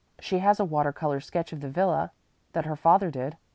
She has a water color sketch of the villa, that her father did.